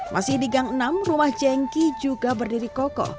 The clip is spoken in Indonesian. masih di gang enam rumah jengki juga berdiri kokoh